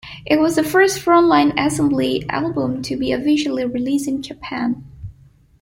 It was the first Front Line Assembly album to be officially released in Japan.